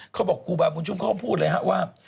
เขาบอกครูบาวบุญชุมเขาพูดเลยว่า